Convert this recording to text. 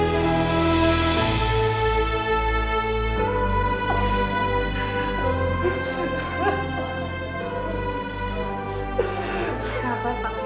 sabar pak firman